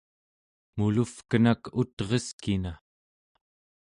muluvkenak ut'reskina!